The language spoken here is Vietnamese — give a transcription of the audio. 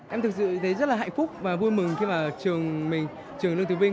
em thực sự thấy rất là hạnh phúc và vui mừng khi mà trường lương thế vinh